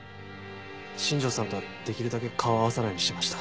新庄さんとはできるだけ顔合わさないようにしてました。